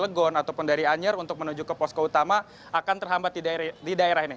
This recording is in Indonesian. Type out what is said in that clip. legon ataupun dari anyer untuk menuju ke posko utama akan terhambat di daerah ini